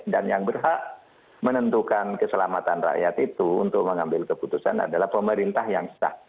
dan yang berhak menentukan keselamatan rakyat itu untuk mengambil keputusan adalah pemerintah yang sah